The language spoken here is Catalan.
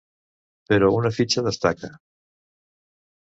Però una fitxa destaca.